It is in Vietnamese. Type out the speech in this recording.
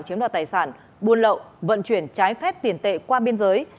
chiếm đoạt tài sản buôn lậu vận chuyển trái phép tiền tệ qua biên giới